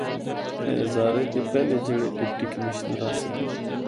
تے ہزارے دے پہلے جڑّے ڈپٹی کشمنر آسے۔